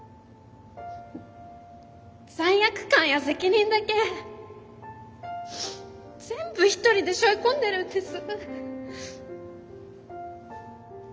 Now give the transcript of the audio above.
罪悪感や責任だけ全部ひとりでしょい込んでるんです。